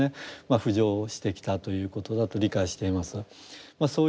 浮上してきたということだと理解しています。